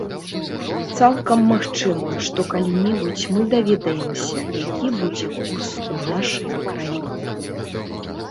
Цалкам магчыма, што калі-небудзь мы даведаемся, які будзе курс у нашай краіне.